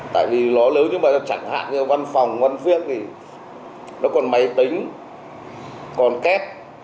tại vì nó lớn nhưng mà chẳng hạn như văn phòng văn viên thì nó còn máy tính còn kép